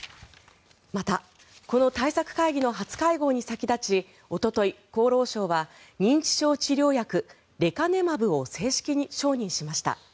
また、この対策会議の初会合に先立ちおととい、厚労省は認知症治療薬レカネマブを正式承認しました。